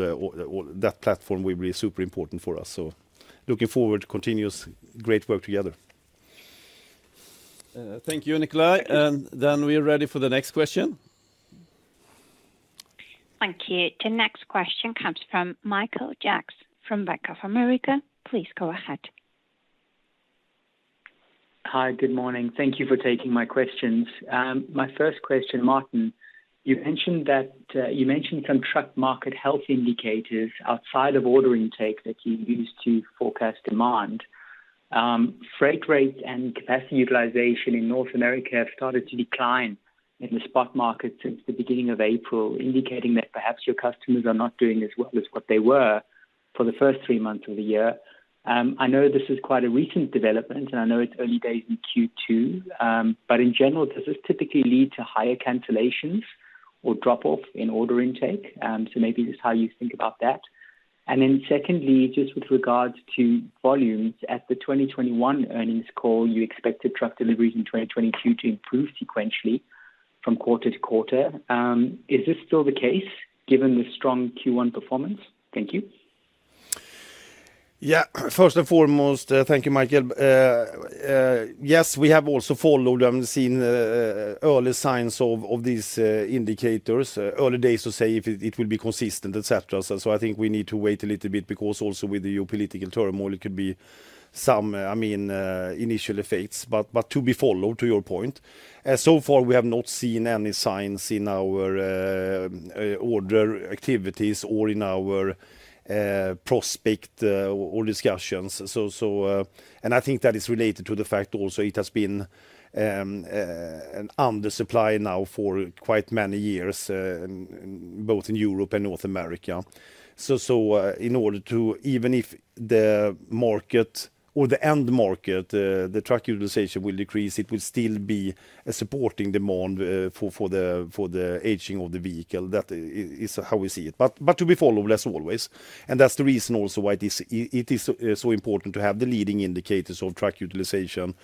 that platform will be super important for us. Looking forward to continuous great work together. Thank you, Nicolai. Then we are ready for the next question. Thank you. The next question comes from Michael Jacks from Bank of America. Please go ahead. Hi. Good morning. Thank you for taking my questions. My first question, Martin, you mentioned some truck market health indicators outside of order intake that you use to forecast demand. Freight rate and capacity utilization in North America have started to decline in the spot market since the beginning of April, indicating that perhaps your customers are not doing as well as what they were for the first three months of the year. I know this is quite a recent development, and I know it's early days in Q2. But in general, does this typically lead to higher cancellations or drop-off in order intake? So maybe just how you think about that. Secondly, just with regards to volumes, at the 2021 earnings call, you expected truck deliveries in 2022 to improve sequentially from quarter to quarter. Is this still the case given the strong Q1 performance? Thank you. Yeah. First and foremost, thank you, Michael. Yes, we have also followed and seen early signs of these indicators. Early days to say if it will be consistent, et cetera. I think we need to wait a little bit because also with the geopolitical turmoil, it could be some I mean initial effects. To be followed, to your point. So far we have not seen any signs in our order activities or in our prospects or discussions. I think that is related to the fact also it has been an undersupply now for quite many years in both Europe and North America. Even if the market or the end market the truck utilization will decrease, it will still be a supporting demand for the aging of the vehicle. That is how we see it. To be followed, as always. That's the reason also why this is so important to have the leading indicators of truck utilization,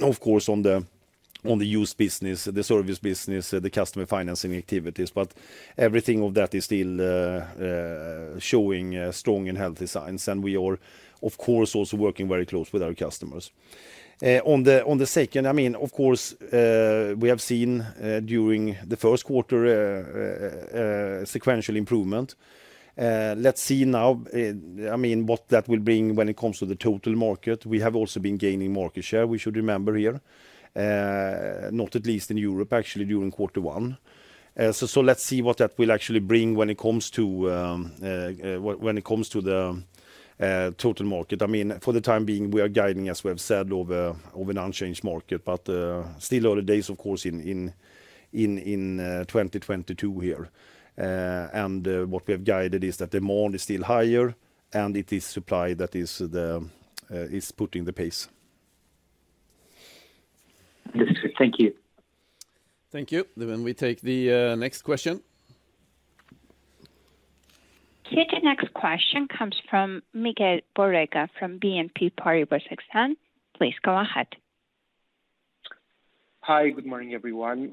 of course, on the used business, the service business, the customer financing activities. Everything of that is still showing strong and healthy signs. We are, of course, also working very close with our customers. On the second, of course, we have seen during the first quarter sequential improvement. Let's see now, I mean, what that will bring when it comes to the total market. We have also been gaining market share, we should remember here. Not least in Europe, actually, during quarter one. Let's see what that will actually bring when it comes to the- Total market. I mean, for the time being, we are guiding, as we have said, for an unchanged market. Still early days, of course, in 2022 here. What we have guided is that demand is still higher, and it is supply that is setting the pace. Yes, thank you. Thank you. We take the next question. Okay. The next question comes from Miguel Borrega from BNP Paribas Exane. Please go ahead. Hi, good morning, everyone.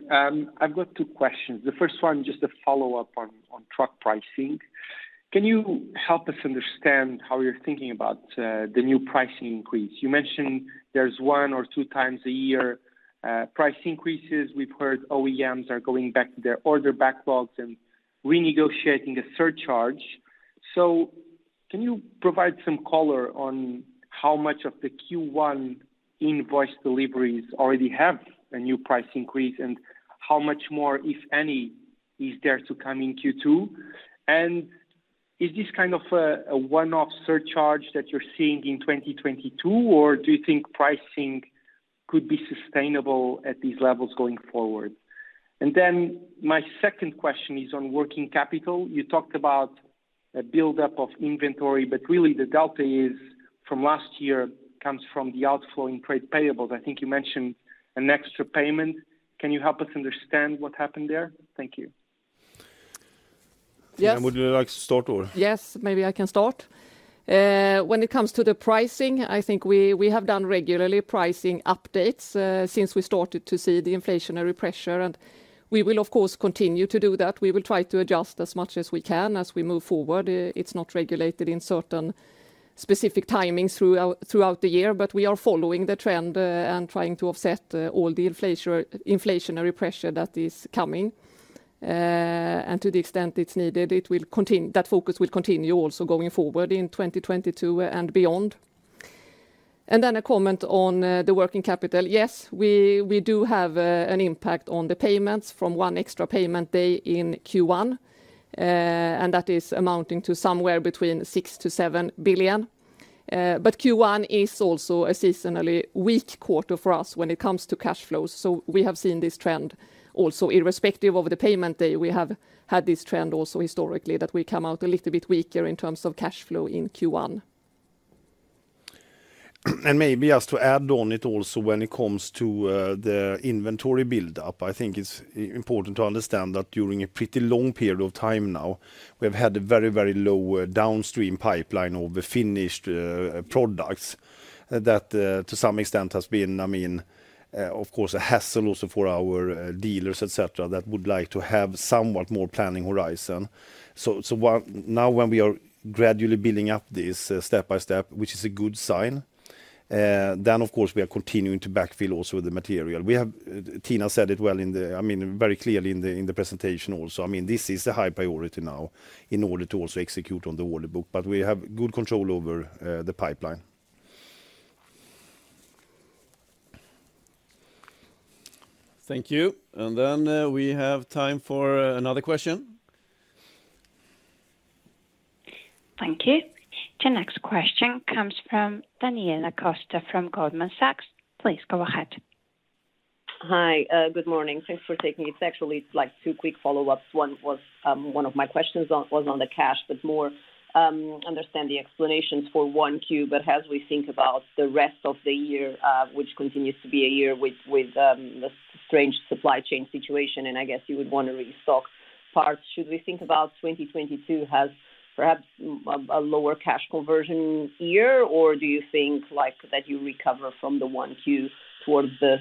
I've got two questions. The first one, just a follow-up on truck pricing. Can you help us understand how you're thinking about the new pricing increase? You mentioned there's one or two times a year price increases. We've heard OEMs are going back to their order backlogs and renegotiating a surcharge. Can you provide some color on how much of the Q1 invoice deliveries already have a new price increase, and how much more, if any, is there to come in Q2? And is this kind of a one-off surcharge that you're seeing in 2022, or do you think pricing could be sustainable at these levels going forward? And then my second question is on working capital. You talked about a buildup of inventory, but really the delta from last year comes from the outflow in trade payables. I think you mentioned an extra payment. Can you help us understand what happened there? Thank you. Yes. Tina, would you like to start or? Yes. Maybe I can start. When it comes to the pricing, I think we have done regularly pricing updates since we started to see the inflationary pressure, and we will of course continue to do that. We will try to adjust as much as we can as we move forward. It's not regulated in certain specific timings throughout the year. We are following the trend and trying to offset all the inflationary pressure that is coming. To the extent it's needed, that focus will continue also going forward in 2022 and beyond. A comment on the working capital. Yes, we do have an impact on the payments from one extra payment day in Q1, and that is amounting to somewhere between 6 billion and 7 billion. Q1 is also a seasonally weak quarter for us when it comes to cash flows, so we have seen this trend also. Irrespective of the payment day, we have had this trend also historically, that we come out a little bit weaker in terms of cash flow in Q1. Maybe just to add on it also when it comes to the inventory buildup, I think it's important to understand that during a pretty long period of time now, we've had a very, very low downstream pipeline of the finished products that to some extent has been, I mean, of course, a hassle also for our dealers, et cetera, that would like to have somewhat more planning horizon. What... Now when we are gradually building up this step-by-step, which is a good sign, then of course we are continuing to backfill also the material. We have Tina said it well in the, I mean, very clearly in the presentation also. I mean, this is a high priority now in order to also execute on the order book, but we have good control over the pipeline. Thank you. We have time for another question. Thank you. The next question comes from Daniela Costa from Goldman Sachs. Please go ahead. Hi, good morning. Thanks for taking it. It's actually, like, two quick follow-ups. One was one of my questions on the cash, but more understand the explanations for 1Q. As we think about the rest of the year, which continues to be a year with the strange supply chain situation, and I guess you would want to restock parts, should we think about 2022 as perhaps a lower cash conversion year? Or do you think, like, that you recover from the 1Q towards the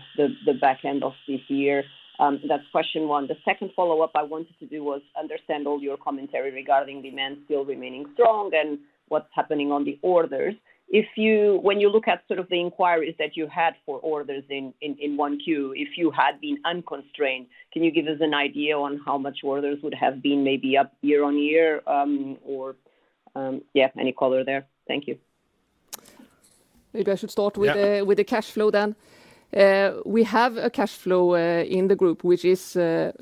back end of this year? That's question one. The second follow-up I wanted to do was understand all your commentary regarding demand still remaining strong and what's happening on the orders. If you, when you look at sort of the inquiries that you had for orders in 1Q, if you had been unconstrained, can you give us an idea on how much orders would have been maybe up year-on-year, Yeah, any color there? Thank you. Maybe I should start- Yeah with the cash flow then. We have a cash flow in the group which is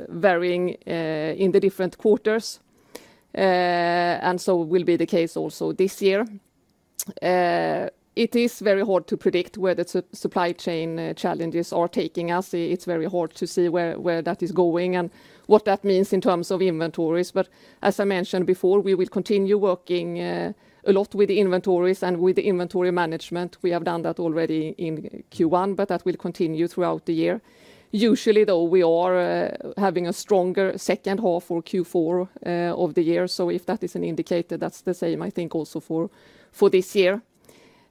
varying in the different quarters, and so will be the case also this year. It is very hard to predict where the supply chain challenges are taking us. It's very hard to see where that is going and what that means in terms of inventories. As I mentioned before, we will continue working a lot with the inventories and with the inventory management. We have done that already in Q1, that will continue throughout the year. Usually, though, we are having a stronger second half or Q4 of the year. If that is an indicator, that's the same I think also for this year.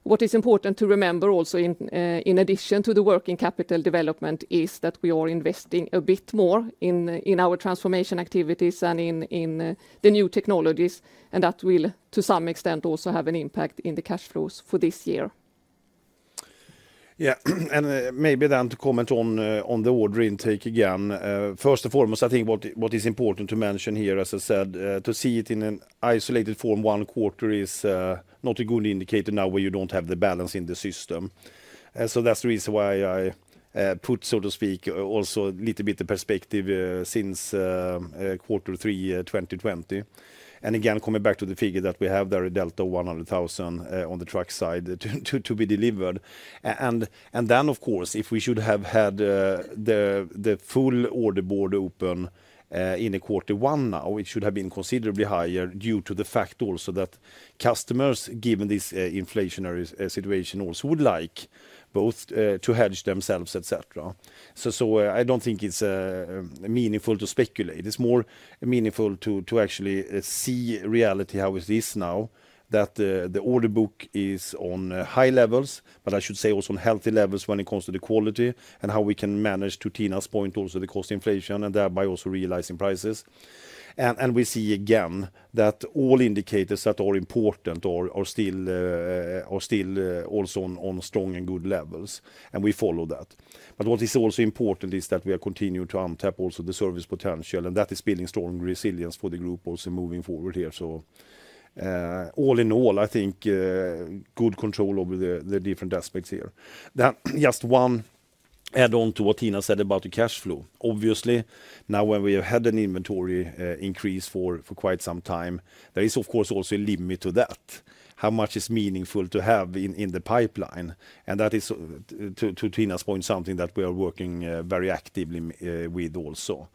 What is important to remember also in addition to the working capital development is that we are investing a bit more in our transformation activities and in the new technologies, and that will to some extent also have an impact in the cash flows for this year. Maybe then to comment on the order intake again. First and foremost, I think what is important to mention here, as I said, to see it in an isolated form one quarter is not a good indicator now where you don't have the balance in the system. That's the reason why I put so to speak also little bit the perspective since quarter three 2020. Coming back to the figure that we have there, a delta 100,000 on the truck side to be delivered. And then of course, if we should have had the full order board open in the quarter one now, it should have been considerably higher due to the fact also that customers, given this inflationary situation also would like both to hedge themselves, et cetera. So I don't think it's meaningful to speculate. It's more meaningful to actually see reality how it is now that the order book is on high levels, but I should say also on healthy levels when it comes to the quality and how we can manage, to Tina's point also, the cost inflation and thereby also realizing prices. We see again that all indicators that are important are still also on strong and good levels, and we follow that. What is also important is that we are continuing to untap also the service potential, and that is building strong resilience for the group also moving forward here. All in all, I think, good control over the different aspects here. That just one add on to what Tina said about the cash flow. Obviously, now when we have had an inventory increase for quite some time, there is of course also a limit to that. How much is meaningful to have in the pipeline? And that is, to Tina's point, something that we are working very actively with also,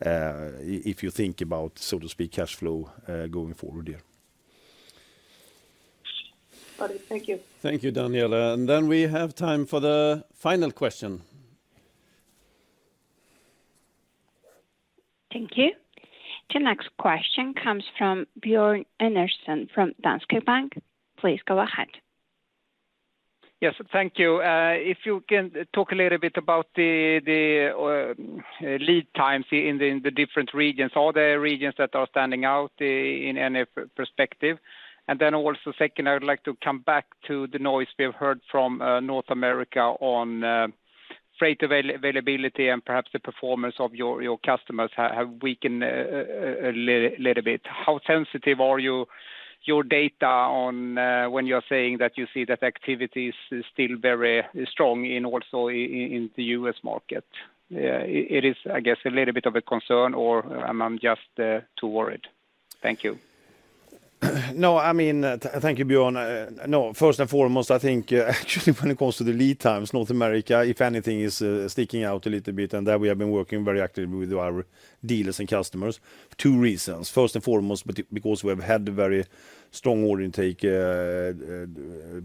if you think about, so to speak, cash flow going forward here. Got it. Thank you. Thank you, Daniela. We have time for the final question. Thank you. The next question comes from Björn Enarson from Danske Bank. Please go ahead. Yes. Thank you. If you can talk a little bit about the lead times in the different regions. Are there regions that are standing out in any perspective? Then also second, I would like to come back to the noise we have heard from North America on freight availability and perhaps the performance of your customers have weakened a little bit. How sensitive are your data on when you're saying that you see that activity is still very strong in also in the U.S. market? It is, I guess, a little bit of a concern or am I just too worried? Thank you. No, I mean, thank you, Björn. No, first and foremost, I think, actually when it comes to the lead times, North America, if anything, is sticking out a little bit, and that we have been working very actively with our dealers and customers for two reasons. First and foremost, because we have had a very strong order intake,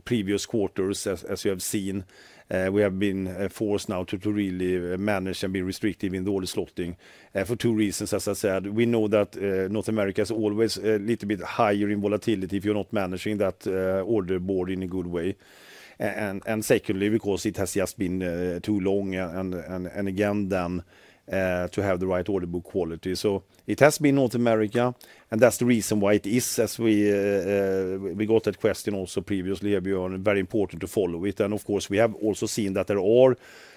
previous quarters, as you have seen. We have been forced now to really manage and be restrictive in the order slotting, for two reasons, as I said. We know that North America is always a little bit higher in volatility if you're not managing that order board in a good way. Secondly, because it has just been too long, and again then, to have the right order book quality. It has been North America, and that's the reason why it is, as we got that question also previously, Björn Enarson, very important to follow it. Of course, we have also seen that there are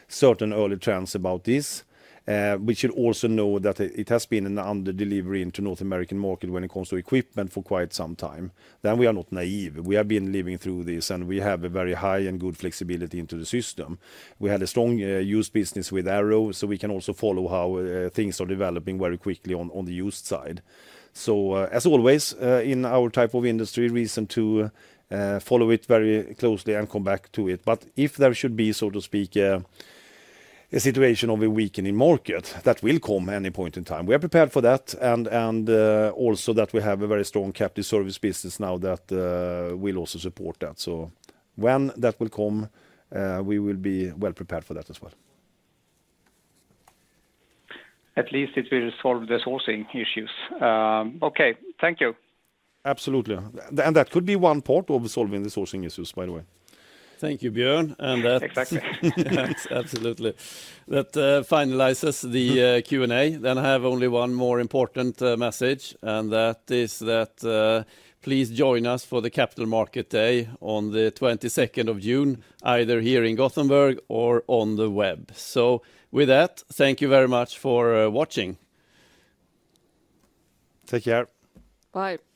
certain early trends about this. We should also know that it has been an under-delivery into North American market when it comes to equipment for quite some time. We are not naive. We have been living through this, and we have a very high and good flexibility into the system. We had a strong used business with Arrow, so we can also follow how things are developing very quickly on the used side. As always, in our type of industry, reason to follow it very closely and come back to it. If there should be, so to speak, a situation of a weakening market, that will come any point in time. We are prepared for that, and also that we have a very strong captive service business now that will also support that. When that will come, we will be well prepared for that as well. At least it will solve the sourcing issues. Okay. Thank you. Absolutely. That could be one part of solving the sourcing issues, by the way. Thank you, Björn. Exactly. Yes, absolutely. That finalizes the Q&A. I have only one more important message, and that is that please join us for the Capital Markets Day on the 22nd June, either here in Gothenburg or on the web. With that, thank you very much for watching. Take care. Bye.